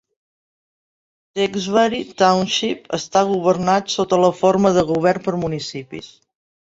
Tewksbury Township està governat sota la forma de govern per municipis.